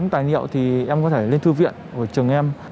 tài liệu thì em có thể lên thư viện của trường em